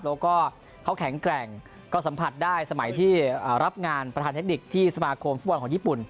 แล้วก็เขาแข็งแกร่งก็สัมผัสได้สมัยที่รับงานประธานเทคนิคที่สมาคมฟุตบอลของญี่ปุ่น